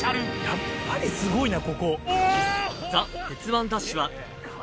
やっぱりすごいなここ。